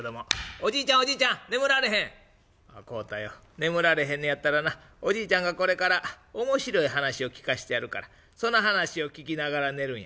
眠られへんのやったらなおじいちゃんがこれから面白い話を聞かしてやるからその話を聞きながら寝るんや」。